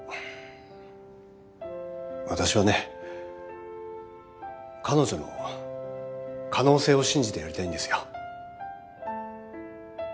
私はね彼女の可能性を信じてやりたいんですよ。